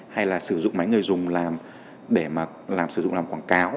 hay là sử dụng máy người dùng để sử dụng làm quảng cáo